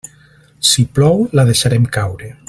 Si plou, la deixarem caure.